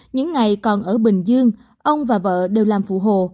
những ngày còn ở bình dương ông và vợ đều làm phụ hồ